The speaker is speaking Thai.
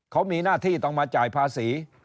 เขามีหน้าที่ต้องมาจ่ายภาษี